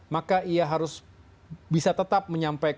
maka ia harus bisa tetap menyampaikan